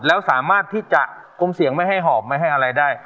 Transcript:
แล้วสามารถที่จะกลมเสียงไม่ให้หอบไม่ให้อะไรได้